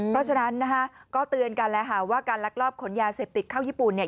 เพราะฉะนั้นนะคะก็เตือนกันแล้วค่ะว่าการลักลอบขนยาเสพติดเข้าญี่ปุ่นเนี่ย